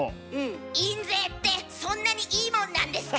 「印税ってそんなにいいもんなんですか？」